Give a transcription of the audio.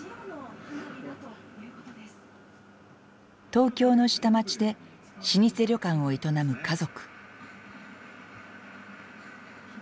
東京の下町で老舗旅館を営む家族。